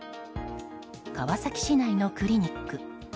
川崎市内のクリニック。